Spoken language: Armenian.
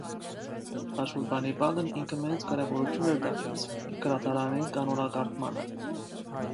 Աշուրբանիպալն ինքը մեծ կարևորություն էր տալիս գրադարանի կանոնակարգմանը։